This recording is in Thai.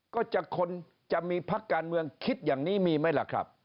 ก็จะคนไขมีพักการเมืองคิดค่ะ